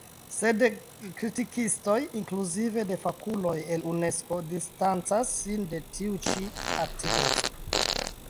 Sed kritikistoj, inkluzive de fakuloj el Unesko, distancas sin de tiu ĉi aktiveco.